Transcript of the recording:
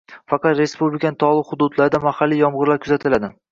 Faqat respublikaning tog‘li hududlarida mahalliy yomg‘irlar kuzatiladi